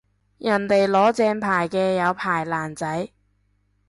人哋攞正牌嘅有牌爛仔